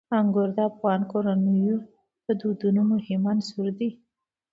انګور د افغان کورنیو د دودونو مهم عنصر دی.